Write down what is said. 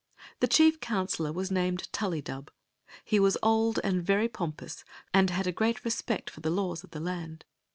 The chief counselor was named Tullydub. He was old and very pompous, and had a great respect for the laws of the land.